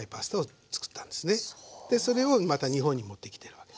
でそれをまた日本に持ってきてるわけ。